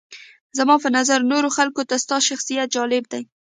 زما په نظر نورو خلکو ته ستا شخصیت جالبه دی.